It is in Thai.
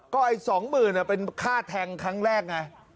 ก็ไอ้๒๐๐๐เป็นค่าแทงครั้งแรกไง